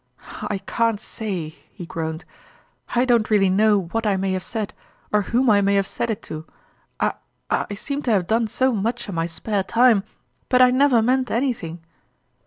" I can't say," he groaned. " I don't really know what I may have said, or whom I may have said it to ! I I seem to have done so much in my spare time, but I never meant anything